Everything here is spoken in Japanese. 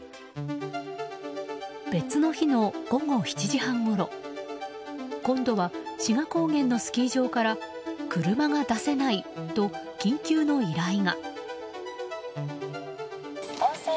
別の日の午後７時半ごろ今度は志賀高原のスキー場から車が出せないと緊急の依頼が。